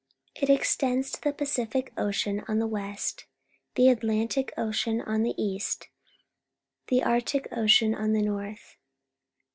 It extends to the Pacific Ocean on the west, the Atlantic Ocean on the east, the Arctic Ocean on the north.